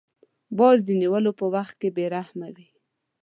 باز د نیولو پر وخت بې رحمه وي